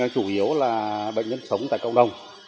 chủ yếu là bệnh nhân sống tại cộng đồng